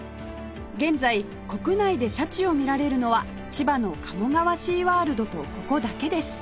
現在国内でシャチを見られるのは千葉の鴨川シーワールドとここだけです